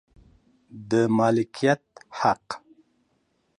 د مالکیت حق